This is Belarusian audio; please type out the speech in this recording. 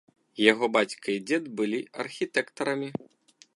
Яго бацька і дзед былі архітэктарамі.